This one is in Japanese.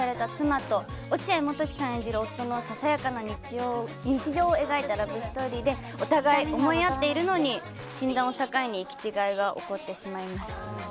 夫のささやかな日常を描いたラブストーリーでお互いに思い合っているのに診断を境に行き違いが起こってしまいます。